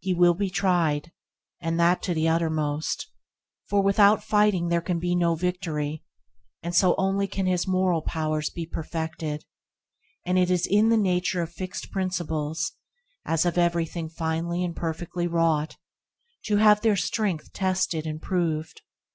He will be tried, and that to the uttermost, for without fighting there can be no victory, and so only can his moral powers be perfected, and it is in the nature of fixed principles, as of everything finely and perfectly wrought, to have their strength tested and proved.